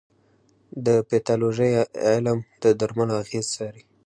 د پیتالوژي علم د درملو اغېز څاري.